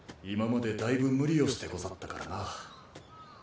今までだいぶ無理をしてござったからな。